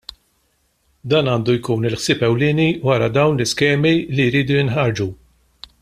Dan għandu jkun il-ħsieb ewlieni wara dawn l-iskemi li jridu jinħarġu.